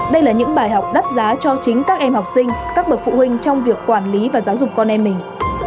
đây là những bài học đắt giá cho chính các em học sinh các bậc phụ huynh trong việc quản lý và giáo dục con em mình